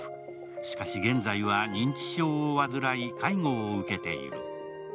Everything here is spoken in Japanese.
しかし、現在は認知症を患い、介護を受けている。